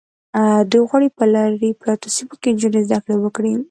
دوی غواړي په لرې پرتو سیمو کې نجونې زده کړې وکړي.